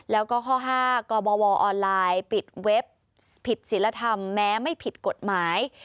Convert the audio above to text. แล้วก็ข้อ๕กบวออนไลน์ปิดเว็บผิดศิลธรรมแม้ไม่ผิดกฎหมาย